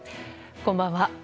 こんばんは。